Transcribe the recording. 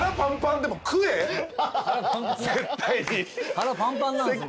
腹パンパンなんですもん。